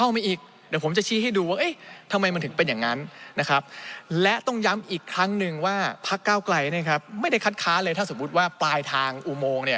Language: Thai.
ไม่ได้ต่อต้านเลยถ้าสมมุติว่าปลายทางอุโมงเนี่ย